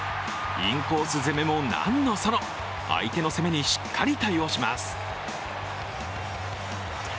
インコース攻めもなんのその相手の攻めにしっかり対応します。